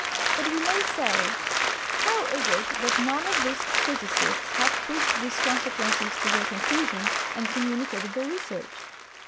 But we may say, How is it that none of these physicists have pushed these consequences to their conclusion and communicated the research?